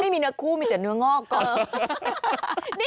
ไม่รู้เหมือนกันนะ